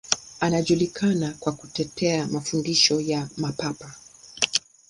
Alijulikana kwa kutetea mafundisho ya Mapapa.